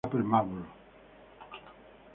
Tiene su sede en Upper Marlboro.